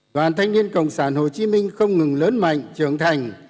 đoàn thanh niên cộng sản hồ chí minh không ngừng lớn mạnh trưởng thành